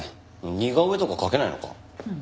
似顔絵とか描けないのか？